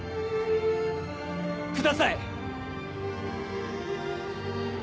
ください！